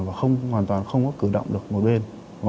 và không hoàn toàn không có cử động được một bên